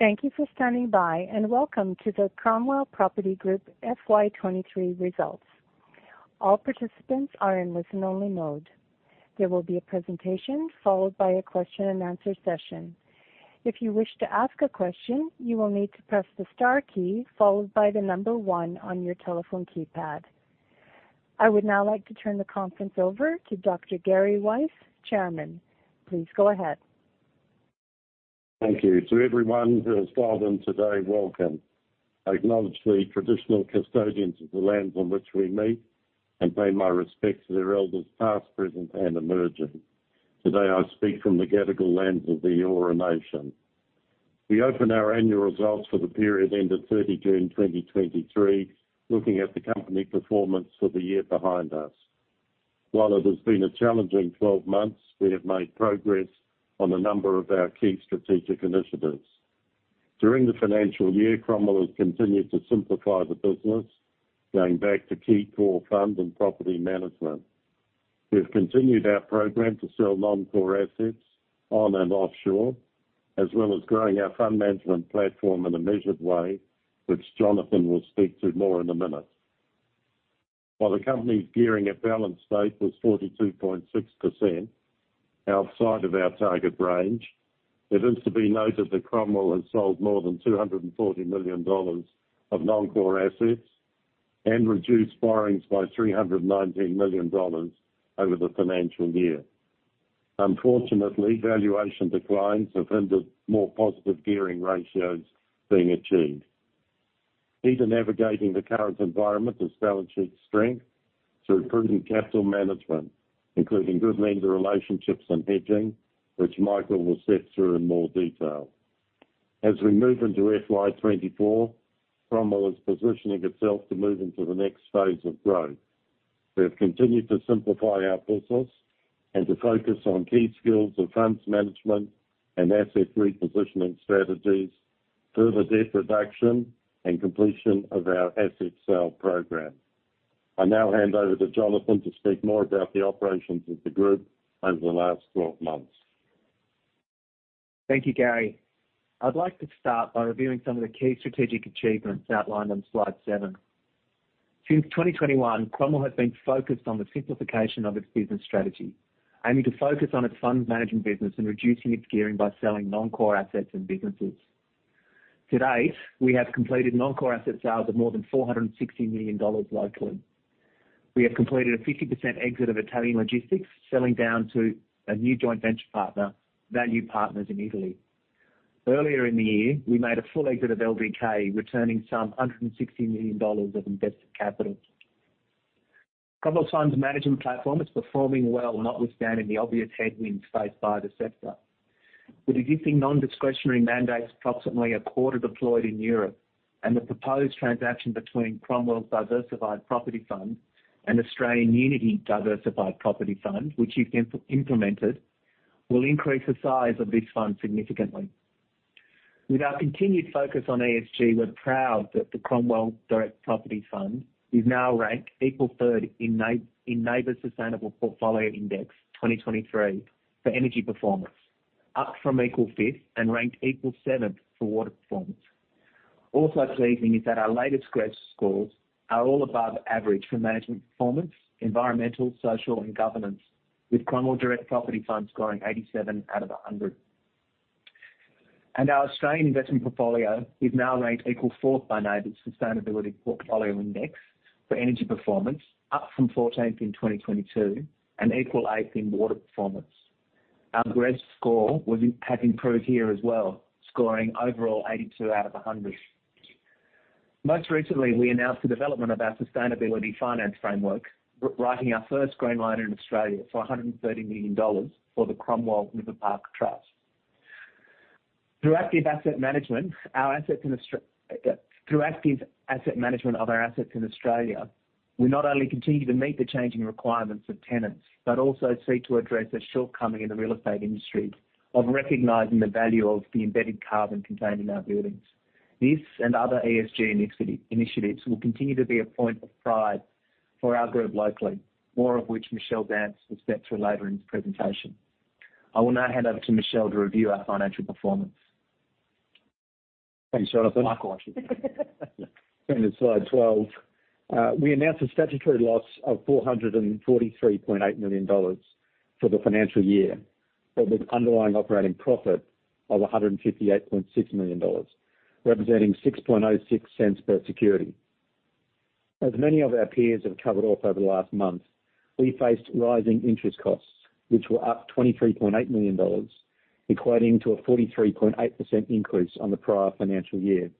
Thank you for standing by, and welcome to the Cromwell Property Group FY23 results. All participants are in listen-only mode. There will be a presentation followed by a question and answer session. If you wish to ask a question, you will need to press the star key followed by the number 1 on your telephone keypad. I would now like to turn the conference over to Dr Gary Weiss, chairman. Please go ahead. Thank you. To everyone who has dialed in today, welcome. I acknowledge the traditional custodians of the lands on which we meet, and pay my respects to their elders, past, present, and emerging. Today, I speak from the Gadigal lands of the Eora Nation. We open our annual results for the period ended 30 June 2023, looking at the company performance for the year behind us. While it has been a challenging 12 months, we have made progress on a number of our key strategic initiatives. During the financial year, Cromwell has continued to simplify the business, going back to key core fund and property management. We've continued our program to sell non-core assets on and off shore, as well as growing our fund management platform in a measured way, which Jonathan will speak to more in a minute. While the company's gearing at balance date was 42.6%, outside of our target range, it is to be noted that Cromwell has sold more than 240 million dollars of non-core assets and reduced borrowings by 319 million dollars over the financial year. Unfortunately, valuation declines have hindered more positive gearing ratios being achieved. Key to navigating the current environment is balance sheet strength through prudent capital management, including good lender relationships and hedging, which Michael will step through in more detail. As we move into FY 2024, Cromwell is positioning itself to move into the next phase of growth. We have continued to simplify our business and to focus on key skills of funds management and asset repositioning strategies, further debt reduction, and completion of our asset sale program. I now hand over to Jonathan to speak more about the operations of the group over the last 12 months. Thank you, Gary. I'd like to start by reviewing some of the key strategic achievements outlined on slide 7. Since 2021, Cromwell has been focused on the simplification of its business strategy, aiming to focus on its fund management business and reducing its gearing by selling non-core assets and businesses. To date, we have completed non-core asset sales of more than 460 million dollars locally. We have completed a 50% exit of Italian logistics, selling down to a new joint venture partner, Value Partners in Italy. Earlier in the year, we made a full exit of LDK, returning some 160 million dollars of invested capital. Cromwell Funds Management platform is performing well, notwithstanding the obvious headwinds faced by the sector. With existing non-discretionary mandates, approximately a quarter deployed in Europe, and the proposed transaction between Cromwell's Diversified Property Fund and Australian Unity Diversified Property Fund, which if implemented, will increase the size of this fund significantly. With our continued focus on ESG, we're proud that the Cromwell Direct Property Fund is now ranked equal third in NABERS Sustainable Portfolio Index 2023 for energy performance, up from equal fifth and ranked equal seventh for water performance. Also pleasing is that our latest GRESB scores are all above average for management performance, environmental, social, and governance, with Cromwell Direct Property Fund scoring 87 out of 100. Our Australian investment portfolio is now ranked equal fourth by NABERS Sustainable Portfolio Index for energy performance, up from 14th in 2022 and equal eighth in water performance. Our GRESB score was, has improved here as well, scoring overall 82 out of 100. Most recently, we announced the development of our sustainability finance framework, writing our first green loan in Australia for 130 million dollars for the Cromwell Riverpark Trust. Through active asset management of our assets in Australia, we not only continue to meet the changing requirements of tenants, but also seek to address a shortcoming in the real estate industry of recognizing the value of the embedded carbon contained in our buildings. This and other ESG initiatives will continue to be a point of pride for our group locally, more of which Michelle Dance will step through later in the presentation. I will now hand over to Michelle to review our financial performance. Thanks, Jonathan. Michael Wilde. Turning to slide 12. We announced a statutory loss of 443.8 million dollars for the financial year, but with underlying operating profit of 158.6 million dollars, representing 0.0606 per security. As many of our peers have covered off over the last month, we faced rising interest costs, which were up 23.8 million dollars, equating to a 43.8% increase on the prior financial year.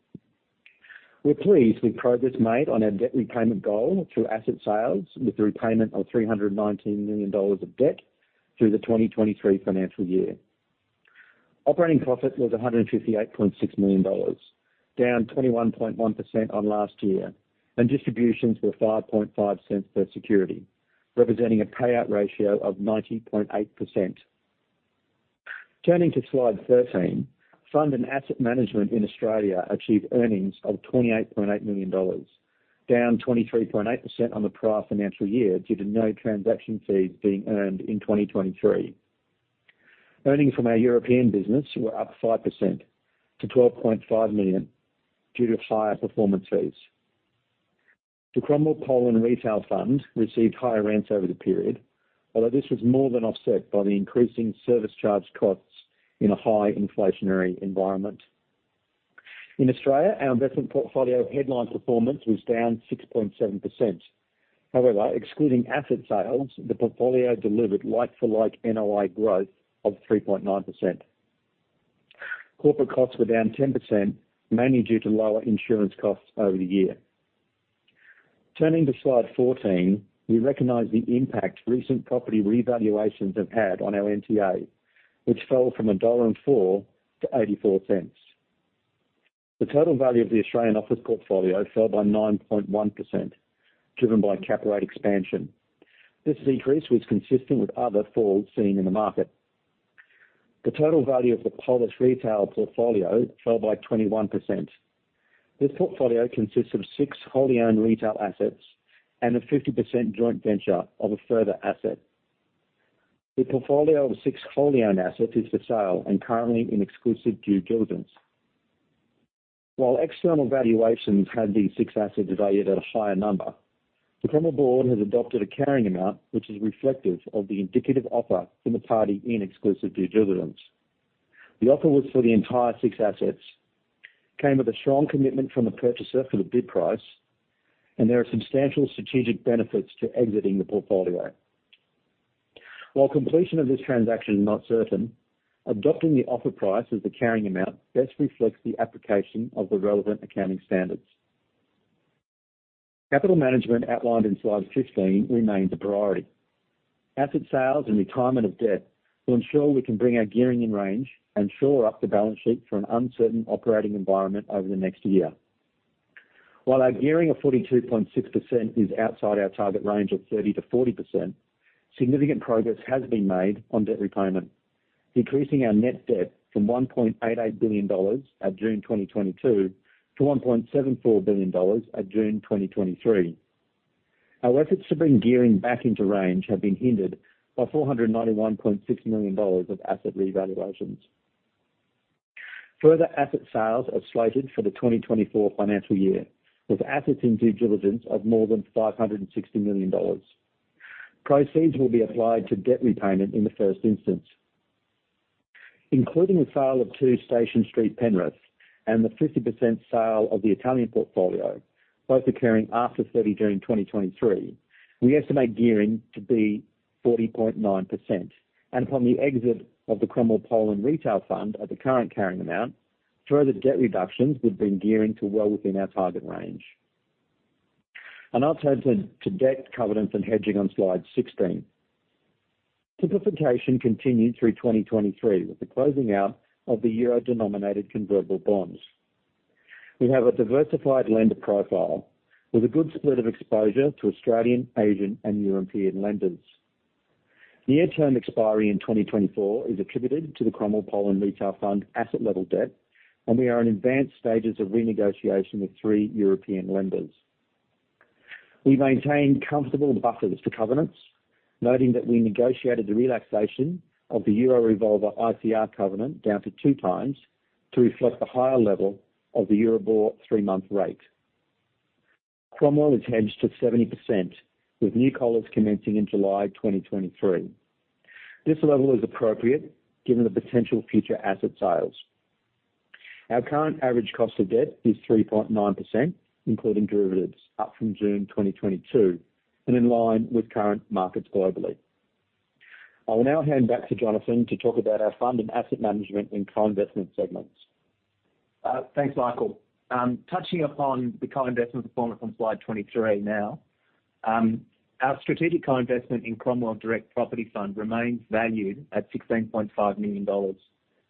We're pleased with progress made on our debt repayment goal through asset sales, with the repayment of 319 million dollars of debt through the 2023 financial year. Operating profit was 158.6 million dollars, down 21.1% on last year, and distributions were 0.055 per security, representing a payout ratio of 90.8%. Turning to slide 13, fund and asset management in Australia achieved earnings of 28.8 million dollars... down 23.8% on the prior financial year, due to no transaction fees being earned in 2023. Earnings from our European business were up 5% to 12.5 million, due to higher performance fees. The Cromwell Poland Retail Fund received higher rents over the period, although this was more than offset by the increasing service charge costs in a high inflationary environment. In Australia, our investment portfolio headline performance was down 6.7%. However, excluding asset sales, the portfolio delivered like-for-like NOI growth of 3.9%. Corporate costs were down 10%, mainly due to lower insurance costs over the year. Turning to slide 14, we recognize the impact recent property revaluations have had on our NTA, which fell from 1.04 dollar to 0.84. The total value of the Australian office portfolio fell by 9.1%, driven by cap rate expansion. This decrease was consistent with other falls seen in the market. The total value of the Polish retail portfolio fell by 21%. This portfolio consists of 6 wholly owned retail assets and a 50% joint venture of a further asset. The portfolio of 6 wholly owned assets is for sale and currently in exclusive due diligence. While external valuations had these six assets valued at a higher number, the Cromwell board has adopted a carrying amount, which is reflective of the indicative offer from the party in exclusive due diligence. The offer was for the entire six assets, came with a strong commitment from the purchaser for the bid price, and there are substantial strategic benefits to exiting the portfolio. While completion of this transaction is not certain, adopting the offer price as the carrying amount best reflects the application of the relevant accounting standards. Capital management outlined in slide 15 remains a priority. Asset sales and retirement of debt will ensure we can bring our gearing in range and shore up the balance sheet for an uncertain operating environment over the next year. While our gearing of 42.6% is outside our target range of 30%-40%, significant progress has been made on debt repayment, decreasing our net debt from 1.88 billion dollars at June 2022 to 1.74 billion dollars at June 2023. Our efforts to bring gearing back into range have been hindered by 491.6 million dollars of asset revaluations. Further asset sales are slated for the 2024 financial year, with assets in due diligence of more than 560 million dollars. Proceeds will be applied to debt repayment in the first instance. Including the sale of Two Station Street, Penrith, and the 50% sale of the Italian portfolio, both occurring after 30 June 2023, we estimate gearing to be 40.9%, and upon the exit of the Cromwell Poland Retail Fund at the current carrying amount, further debt reductions would bring gearing to well within our target range. I'll now turn to debt covenants and hedging on slide 16. Simplification continued through 2023, with the closing out of the euro-denominated convertible bonds. We have a diversified lender profile with a good split of exposure to Australian, Asian, and European lenders. The near-term expiry in 2024 is attributed to the Cromwell Poland Retail Fund asset level debt, and we are in advanced stages of renegotiation with three European lenders. We maintain comfortable buffers for covenants, noting that we negotiated the relaxation of the euro revolver ICR covenant down to 2 times to reflect the higher level of the Euribor three-month rate. Cromwell is hedged to 70%, with new collars commencing in July 2023. This level is appropriate given the potential future asset sales. Our current average cost of debt is 3.9%, including derivatives, up from June 2022 and in line with current markets globally. I will now hand back to Jonathan to talk about our fund and asset management in co-investment segments. Thanks, Michael. Touching upon the co-investment performance on slide 23 now. Our strategic co-investment in Cromwell Direct Property Fund remains valued at 16.5 million dollars,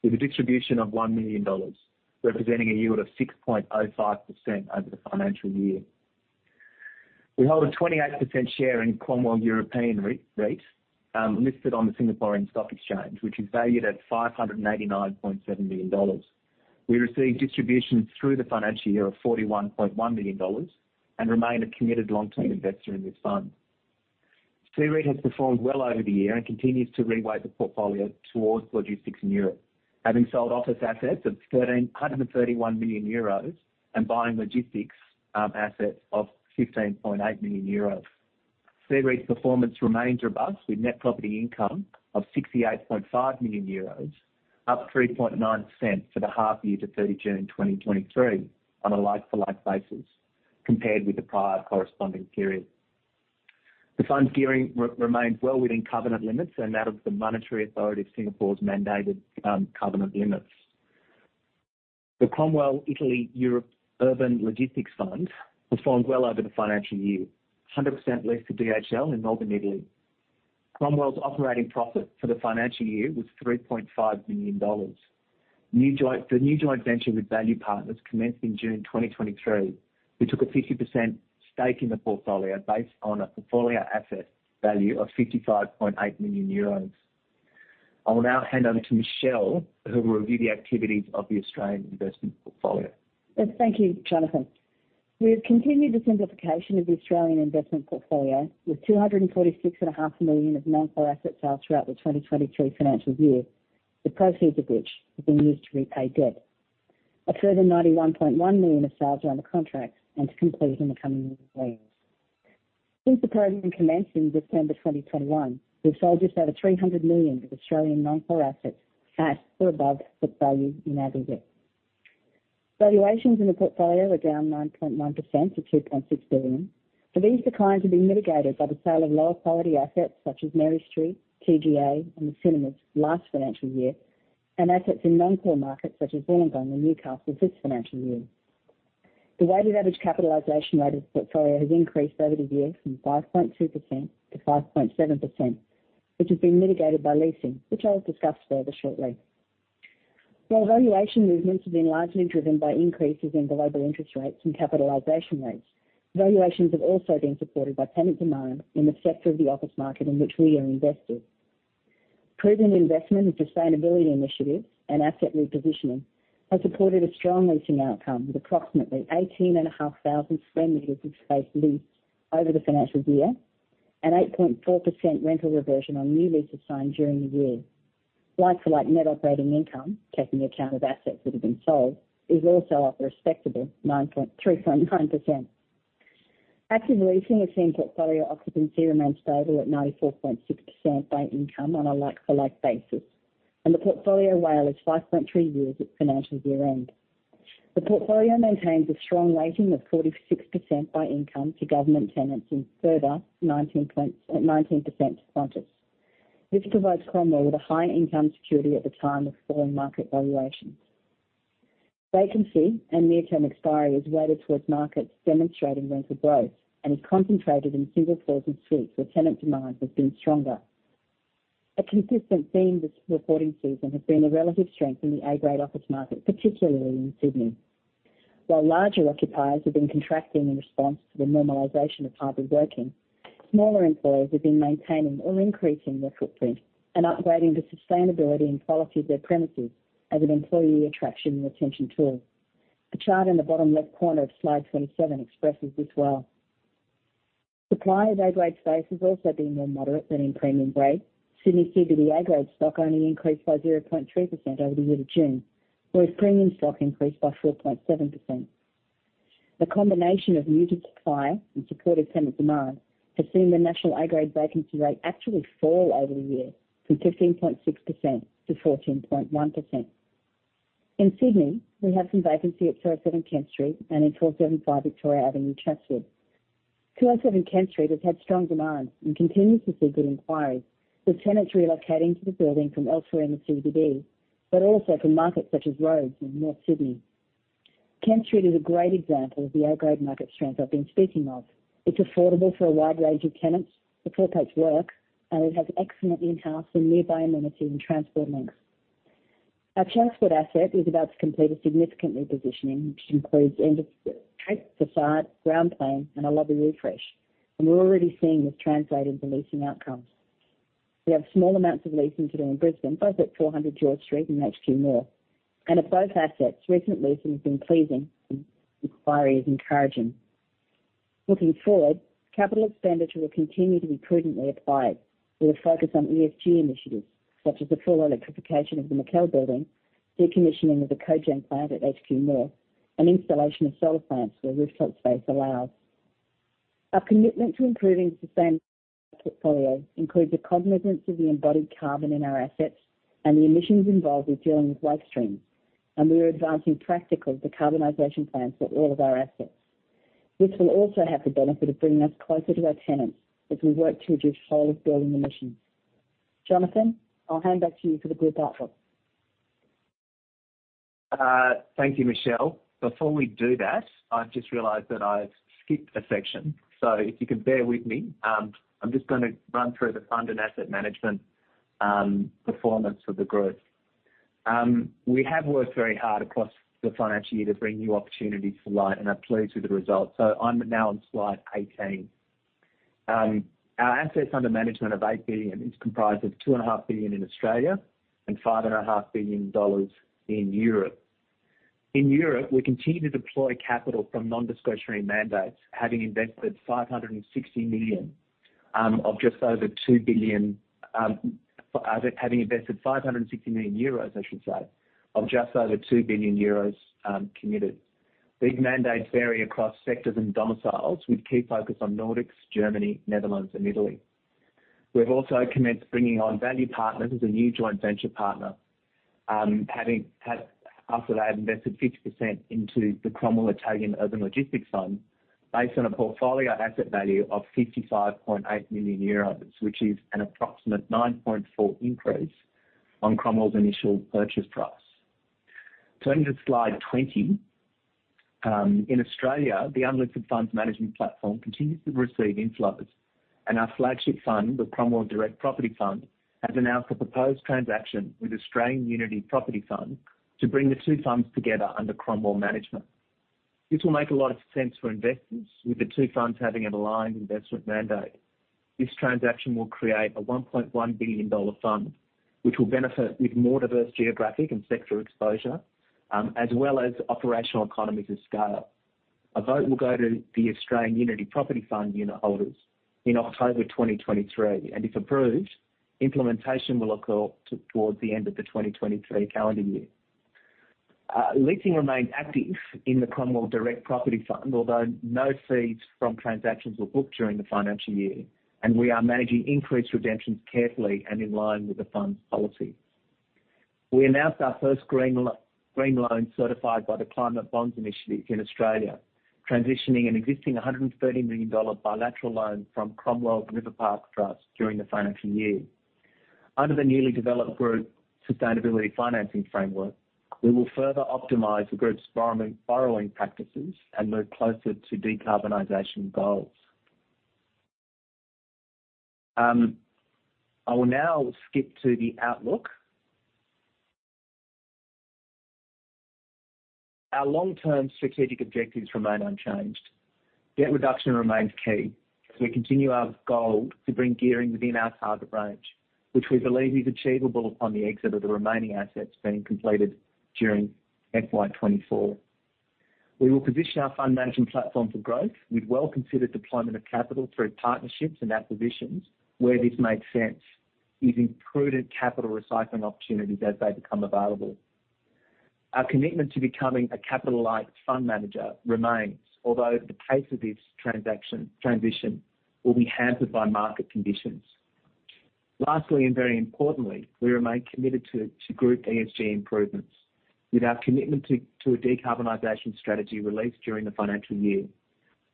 with a distribution of 1 million dollars, representing a yield of 6.05% over the financial year. We hold a 28% share in Cromwell European REIT, listed on the Singapore Stock Exchange, which is valued at 589.7 million dollars. We received distributions through the financial year of 41.1 million dollars and remain a committed long-term investor in this fund. CEREIT has performed well over the year and continues to reweight the portfolio towards logistics in Europe, having sold office assets of 1,331 million euros and buying logistics assets of 15.8 million euros. CEREIT's performance remains robust, with net property income of 68.5 million euros, up 3.9% for the half year to 30 June 2023 on a like-for-like basis compared with the prior corresponding period. The fund's gearing remains well within covenant limits and out of the Monetary Authority of Singapore's mandated covenant limits. The Cromwell Italy Urban Logistics Fund performed well over the financial year. 100% leased to DHL in northern Italy. Cromwell's operating profit for the financial year was 3.5 million dollars. The new joint venture with Value Partners commenced in June 2023. We took a 50% stake in the portfolio based on a portfolio asset value of 55.8 million euros.... I will now hand over to Michelle, who will review the activities of the Australian investment portfolio. Yes, thank you, Jonathan. We have continued the simplification of the Australian investment portfolio, with 246.5 million of non-core asset sales throughout the 2023 financial year, the proceeds of which have been used to repay debt. A further 91.1 million of sales are under contract and to complete in the coming months. Since the program commenced in December 2021, we've sold just over 300 million of Australian non-core assets at or above book value in aggregate. Valuations in the portfolio are down 9.1% to 2.6 billion, but these declines have been mitigated by the sale of lower quality assets such as Mary Street, TGA, and the cinemas last financial year, and assets in non-core markets such as Wollongong and Newcastle this financial year. The weighted average capitalization rate of the portfolio has increased over the year from 5.2% to 5.7%, which has been mitigated by leasing, which I will discuss further shortly. While valuation movements have been largely driven by increases in global interest rates and capitalization rates, valuations have also been supported by tenant demand in the sector of the office market in which we are invested. Prudent investment in sustainability initiatives and asset repositioning has supported a strong leasing outcome, with approximately 18,500 square meters of space leased over the financial year and 8.4% rental reversion on new leases signed during the year. Like-for-like net operating income, taking account of assets that have been sold, is also up a respectable 3.9%. Active leasing has seen portfolio occupancy remain stable at 94.6% by income on a like-for-like basis, and the portfolio WALE is 5.3 years at financial year-end. The portfolio maintains a strong weighting of 46% by income to government tenants and further 19% to Qantas. This provides Cromwell with a high income security at the time of falling market valuations. Vacancy and near-term expiry is weighted towards markets demonstrating rental growth and is concentrated in single floors and suites, where tenant demand has been stronger. A consistent theme this reporting season has been a relative strength in the A-grade office market, particularly in Sydney. While larger occupiers have been contracting in response to the normalization of hybrid working, smaller employers have been maintaining or increasing their footprint and upgrading the sustainability and quality of their premises as an employee attraction and retention tool. The chart in the bottom left corner of slide 27 expresses this well. Supply of A-grade space has also been more moderate than in premium grade. Sydney CBD A-grade stock only increased by 0.3% over the year to June, whereas premium stock increased by 4.7%. The combination of muted supply and supportive tenant demand has seen the national A-grade vacancy rate actually fall over the year from 15.6% to 14.1%. In Sydney, we have some vacancy at 207 Kent Street and in 475 Victoria Avenue, Chatswood. 207 Kent Street has had strong demand and continues to see good inquiries, with tenants relocating to the building from elsewhere in the CBD, but also from markets such as Rhodes and North Sydney. Kent Street is a great example of the A-grade market strength I've been speaking of. It's affordable for a wide range of tenants, the floor plates work, and it has excellent in-house and nearby amenities and transport links. Our Chatswood asset is about to complete a significant repositioning, which includes end of trip, facade, ground plane, and a lobby refresh, and we're already seeing this translate into leasing outcomes. We have small amounts of leasing to do in Brisbane, both at 400 George Street and HQ North. At both assets, recent leasing has been pleasing, and inquiry is encouraging. Looking forward, capital expenditures will continue to be prudently applied, with a focus on ESG initiatives, such as the full electrification of the McKell Building, decommissioning of the cogen plant at HQ North, and installation of solar plants where rooftop space allows. Our commitment to improving sustainable portfolio includes a cognizance of the embodied carbon in our assets and the emissions involved in dealing with waste streams, and we are advancing practical decarbonization plans for all of our assets. This will also have the benefit of bringing us closer to our tenants as we work to reduce whole building emissions. Jonathan, I'll hand back to you for the group outlook. Thank you, Michelle. Before we do that, I've just realized that I've skipped a section. So if you can bear with me, I'm just going to run through the fund and asset management performance of the group. We have worked very hard across the financial year to bring new opportunities to light, and are pleased with the results. So I'm now on slide 18. Our assets under management of 8 billion is comprised of 2.5 billion in Australia and 5.5 billion dollars in Europe. In Europe, we continue to deploy capital from non-discretionary mandates, having invested 500 million, of just over 2 billion, having invested 560 million euros, I should say, of just over 2 billion euros, committed. These mandates vary across sectors and domiciles, with key focus on Nordics, Germany, Netherlands, and Italy. We've also commenced bringing on Value Partners as a new joint venture partner, after they had invested 50% into the Cromwell Italy Urban Logistics Fund, based on a portfolio asset value of 55.8 million euros, which is an approximate 9.4% increase on Cromwell's initial purchase price. Turning to slide 20, in Australia, the unlisted funds management platform continues to receive inflows, and our flagship fund, the Cromwell Direct Property Fund, has announced a proposed transaction with Australian Unity Property Fund to bring the two funds together under Cromwell management. This will make a lot of sense for investors, with the two funds having an aligned investment mandate. This transaction will create a 1.1 billion dollar fund, which will benefit with more diverse geographic and sector exposure, as well as operational economies of scale. A vote will go to the Australian Unity Property Fund unit holders in October 2023, and if approved, implementation will occur towards the end of the 2023 calendar year. Leasing remained active in the Cromwell Direct Property Fund, although no fees from transactions were booked during the financial year, and we are managing increased redemptions carefully and in line with the fund's policy. We announced our first green loan, certified by the Climate Bonds Initiative in Australia, transitioning an existing 130 million dollar bilateral loan from Cromwell Riverpark Trust during the financial year. Under the newly developed group sustainability financing framework, we will further optimize the group's borrowing practices and move closer to decarbonization goals. I will now skip to the outlook. Our long-term strategic objectives remain unchanged. Debt reduction remains key as we continue our goal to bring gearing within our target range, which we believe is achievable upon the exit of the remaining assets being completed during FY 2024. We will position our fund management platform for growth with well-considered deployment of capital through partnerships and acquisitions where this makes sense, using prudent capital recycling opportunities as they become available. Our commitment to becoming a capitalized fund manager remains, although the pace of this transition will be hampered by market conditions. Lastly, and very importantly, we remain committed to group ESG improvements, with our commitment to a decarbonization strategy released during the financial year.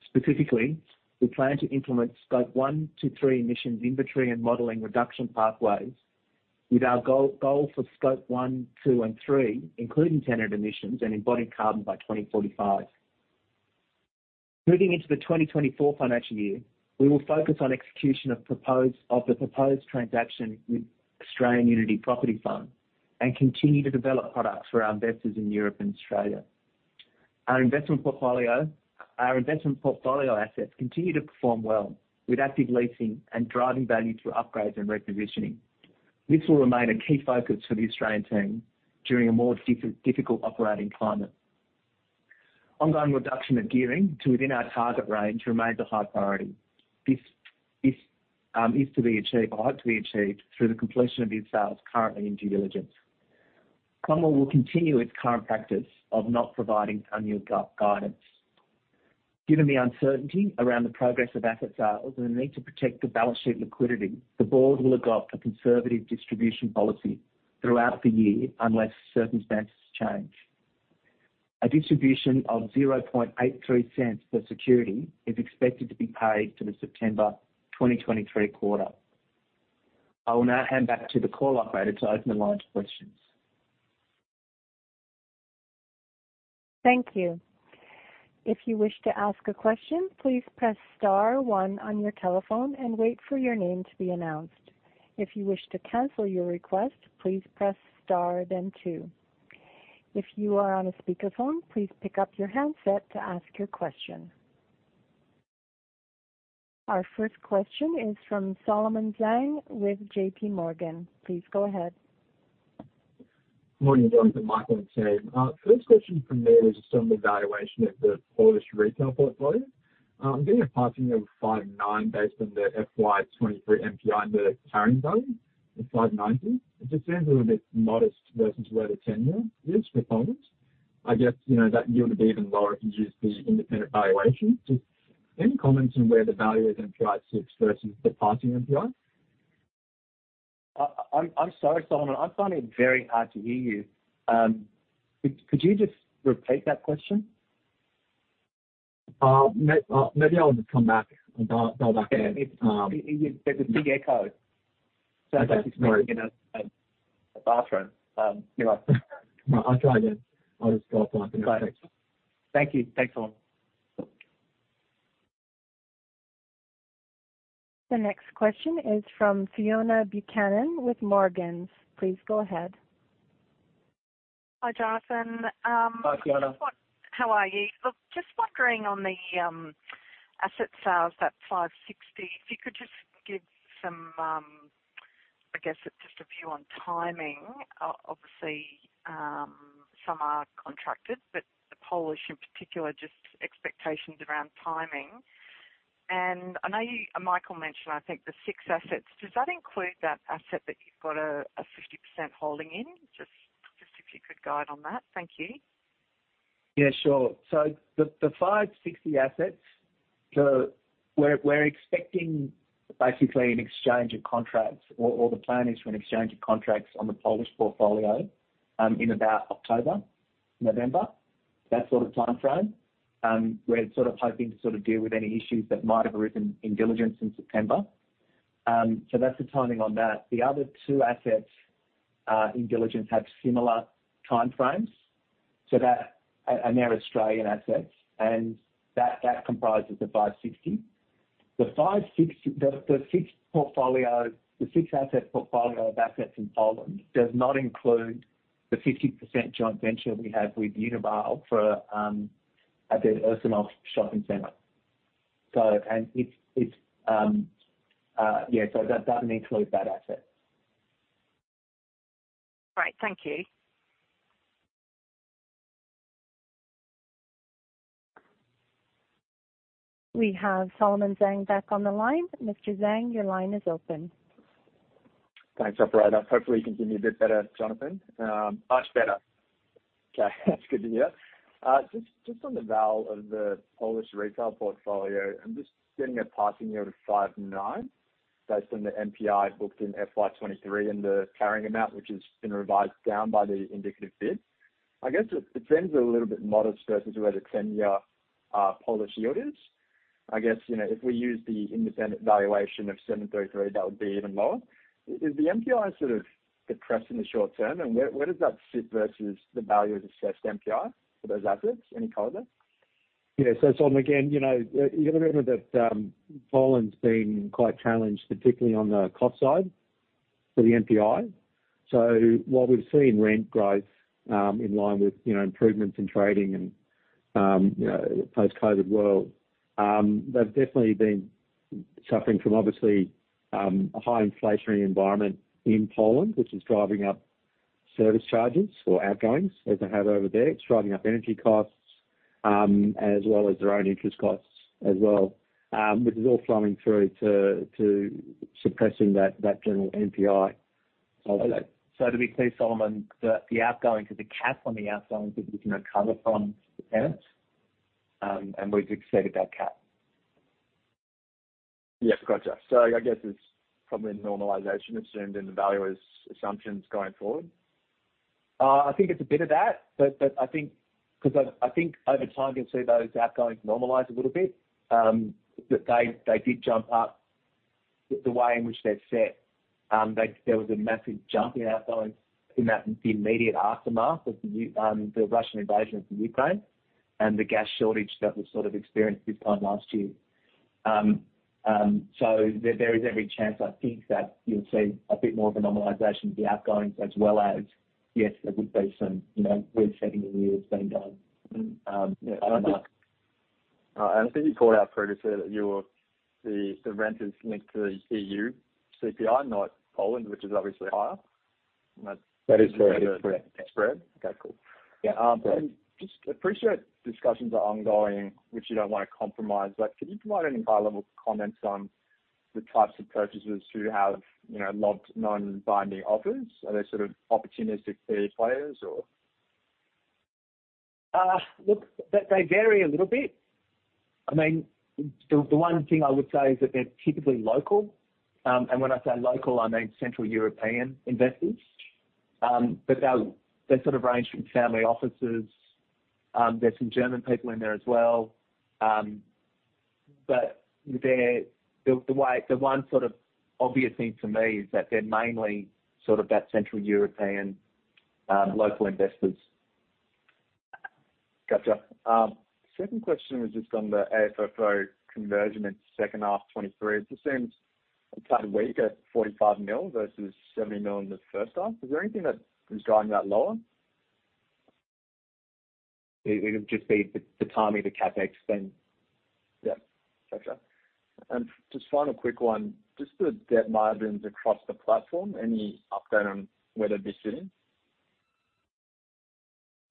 Specifically, we plan to implement Scope 1 to 3 emissions inventory and modeling reduction pathways, with our goal for Scope 1, 2, and 3, including tenant emissions and embodied carbon by 2045. Moving into the 2024 financial year, we will focus on execution of the proposed transaction with Australian Unity Property Fund and continue to develop products for our investors in Europe and Australia. Our investment portfolio assets continue to perform well, with active leasing and driving value through upgrades and repositioning. This will remain a key focus for the Australian team during a more difficult operating climate. Ongoing reduction of gearing to within our target range remains a high priority. This is to be achieved or ought to be achieved through the completion of these sales currently in due diligence. Cromwell will continue its current practice of not providing annual guidance. Given the uncertainty around the progress of asset sales and the need to protect the balance sheet liquidity, the board will adopt a conservative distribution policy throughout the year, unless circumstances change. A distribution of 0.0083 per security is expected to be paid for the September 2023 quarter. I will now hand back to the call operator to open the line to questions. Thank you. If you wish to ask a question, please press star one on your telephone and wait for your name to be announced. If you wish to cancel your request, please press star, then two. If you are on a speakerphone, please pick up your handset to ask your question. Our first question is from Solomon Zhang with JPMorgan. Please go ahead. Morning, Jonathan, Michael with you. First question from me is just on the valuation of the Polish retail portfolio. I'm getting a passing yield of 5.9 based on the FY 2023 NPI and the carrying value of 590. It just seems a little bit modest versus where the 10-year is for Poland. I guess, you know, that yield would be even lower if you use the independent valuation. Just any comments on where the value is in price versus the passing NPI? I'm sorry, Solomon, I'm finding it very hard to hear you. Could you just repeat that question? Maybe I'll just come back and dial back in. There's a big echo. Okay, great. Sounds like he's speaking in a bathroom. You know? I'll try again. I'll just dial back in. Thank you. Thanks, Solomon. The next question is from Fiona Buchanan with Morgans. Please go ahead. Hi, Jonathan. Hi, Fiona. How are you? Look, just wondering on the asset sales, that 560, if you could just give some, I guess, just a view on timing. Obviously, some are contracted, but the Polish in particular, just expectations around timing. And I know you... Michael mentioned, I think, the 6 assets. Does that include that asset that you've got a 50% holding in? Just if you could guide on that. Thank you. Yeah, sure. So the 560 assets. We're expecting basically an exchange of contracts, or the plan is for an exchange of contracts on the Polish portfolio in about October, November, that sort of timeframe. We're sort of hoping to sort of deal with any issues that might have arisen in diligence in September. So that's the timing on that. The other two assets in diligence have similar timeframes, so that and they're Australian assets, and that comprises the 560. The 560, the 6 portfolio, the 6 asset portfolio of assets in Poland does not include the 50% joint venture we have with Unibail for at the Ursynów Shopping Center. So and it's, yeah, so that doesn't include that asset. Great. Thank you. We have Solomon Zhang back on the line. Mr. Zhang, your line is open. Thanks, operator. Hopefully, you can hear me a bit better, Jonathan. Much better. Okay, that's good to hear. Just, just on the value of the Polish retail portfolio, I'm just getting a passing yield of 5.9 based on the NPI booked in FY 2023 and the carrying amount, which has been revised down by the indicative bid. I guess it returns a little bit modest versus where the 10-year Polish yield is. I guess, you know, if we use the independent valuation of 7.33, that would be even lower. Is the NPI sort of depressed in the short term, and where, where does that sit versus the value of assessed NPI for those assets? Any color there? Yeah. So Solomon, again, you know, you got to remember that, Poland's been quite challenged, particularly on the cost side for the NPI. So while we've seen rent growth, in line with, you know, improvements in trading and, you know, post-COVID world, they've definitely been suffering from obviously, a high inflationary environment in Poland, which is driving up service charges or outgoings as they have over there. It's driving up energy costs, as well as their own interest costs as well, which is all flowing through to suppressing that general NPI. Okay. So to be clear, Solomon, the outgoing to the cap on the outgoings is, you know, covered from the tenants, and we've exceeded that cap. Yes. Gotcha. I guess it's probably normalization assumed in the valuer's assumptions going forward. I think it's a bit of that, but I think because I think over time, you'll see those outgoings normalize a little bit. But they did jump up the way in which they've set. There was a massive jump in outgoings in the immediate aftermath of the Russian invasion of Ukraine and the gas shortage that was sort of experienced this time last year. So there is every chance, I think, that you'll see a bit more of a normalization of the outgoings as well as, yes, there would be some, you know, rent setting in the year has been done. Yeah, I don't know. I think you called out previously that the rent is linked to the EU CPI, not Poland, which is obviously higher. That is correct. That's spread. Okay, cool. Yeah. and just appreciate discussions are ongoing, which you don't want to compromise, but can you provide any high-level comments on the types of purchasers who have, you know, logged non-binding offers? Are they sort of opportunistic players or? Look, they vary a little bit. I mean, the one thing I would say is that they're typically local. And when I say local, I mean central European investors. But they sort of range from family offices, there's some German people in there as well. But the one sort of obvious thing to me is that they're mainly sort of that central European, local investors. Gotcha. Second question was just on the AFFO conversion in second half 2023. It just seems kind of weak at 45 million versus 70 million in the first half. Is there anything that is driving that lower? It would just be the timing, the CapEx then. Yeah. Gotcha. Just final quick one, just the debt margins across the platform, any update on where they're sitting?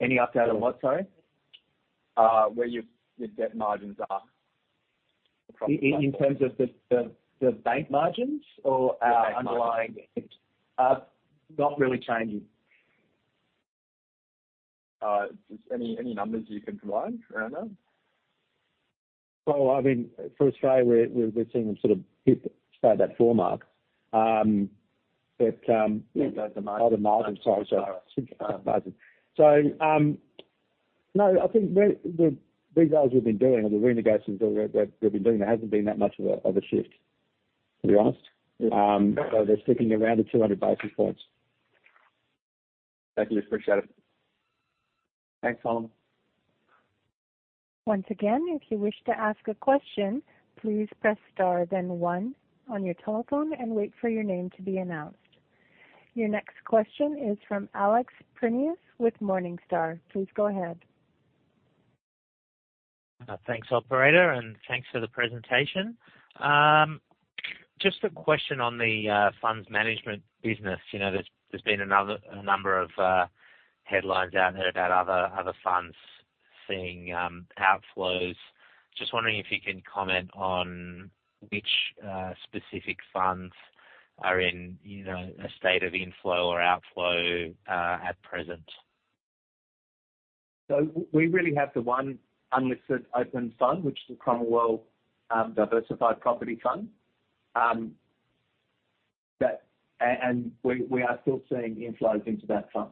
Any update on what, sorry? where your debt margins are. In terms of the bank margins or our underlying? The bank margins. Not really changing. Just any numbers you can provide around that? Well, I mean, for Australia, we're seeing them sort of hit about that four mark. But, Yeah, the margin. Other margins, sorry. So, no, I think the deals we've been doing or the renegotiations that we've been doing, there hasn't been that much of a shift, to be honest. So they're sticking around the 200 basis points. Thank you. Appreciate it. Thanks, Solomon. Once again, if you wish to ask a question, please press Star, then one on your telephone and wait for your name to be announced. Your next question is from Alex Prineas with Morningstar. Please go ahead. Thanks, operator, and thanks for the presentation. Just a question on the funds management business. You know, there's been another, a number of headlines out here about other funds seeing outflows. Just wondering if you can comment on which specific funds are in, you know, a state of inflow or outflow at present. So we really have the one unlisted open fund, which is the Cromwell Diversified Property Fund. And we are still seeing inflows into that fund.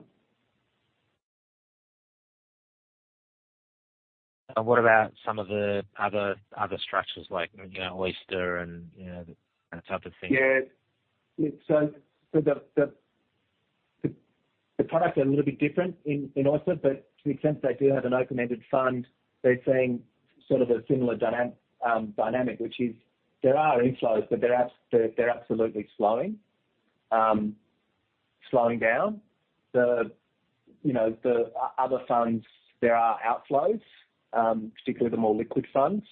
What about some of the other structures like, you know, Oyster and, you know, that type of thing? Yeah. So the products are a little bit different in Aussie, but to the extent they do have an open-ended fund, they're seeing sort of a similar dynamic, which is there are inflows, but they're absolutely slowing down. You know, other funds, there are outflows, particularly the more liquid funds.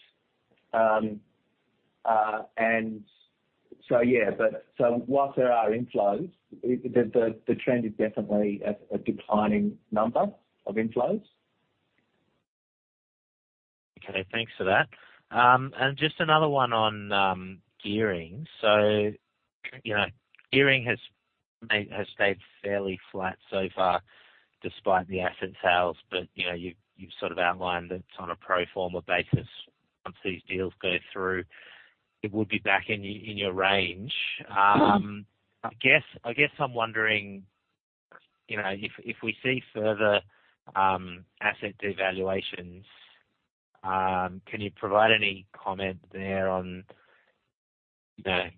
So, yeah, but so whilst there are inflows, the trend is definitely a declining number of inflows. Okay, thanks for that. And just another one on gearing. So, you know, gearing has stayed fairly flat so far, despite the asset sales, but, you know, you've sort of outlined that on a pro forma basis, once these deals go through, it would be back in your range. I guess I'm wondering, you know, if we see further asset devaluations, can you provide any comment there on the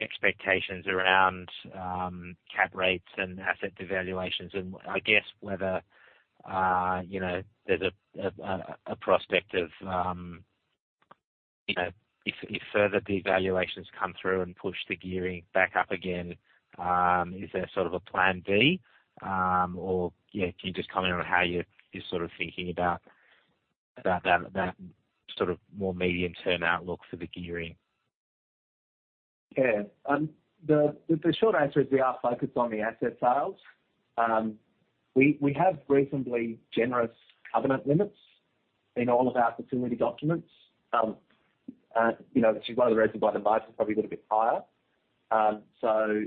expectations around cap rates and asset devaluations? And I guess whether, you know, there's a prospect of, you know, if further devaluations come through and push the gearing back up again, is there sort of a plan B? Can you just comment on how you're sort of thinking about that sort of more medium-term outlook for the gearing? Yeah. The short answer is we are focused on the asset sales. We have reasonably generous covenant limits in all of our facility documents. You know, which is one of the reasons why the price is probably a little bit higher. So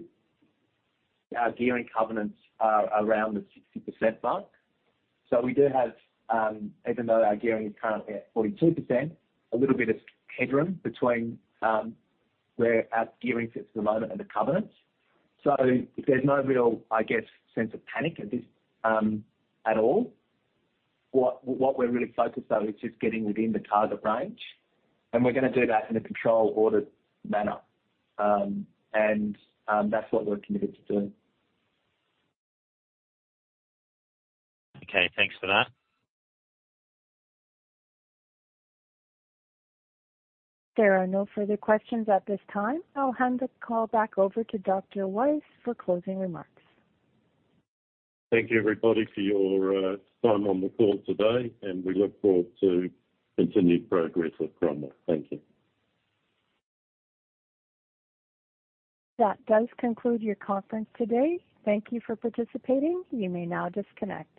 our gearing covenants are around the 60% mark. So we do have, even though our gearing is currently at 42%, a little bit of headroom between where our gearing sits at the moment and the covenants. So there's no real, I guess, sense of panic at this, at all. What we're really focused on is just getting within the target range, and we're gonna do that in a controlled, ordered manner. And that's what we're committed to doing. Okay, thanks for that. There are no further questions at this time. I'll hand the call back over to Dr. Weiss for closing remarks. Thank you, everybody, for your time on the call today, and we look forward to continued progress at Cromwell. Thank you. That does conclude your conference today. Thank you for participating. You may now disconnect.